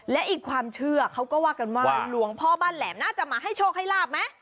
และอีกความเชื่อเขาก็ว่ากันว่าหลวงพ่อบ้านแหลมน่าจะมาให้โชคให้ลาบไหม